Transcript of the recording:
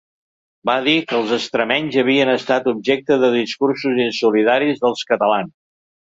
Va dir que els extremenys havien estat objecte de discursos insolidaris dels catalans.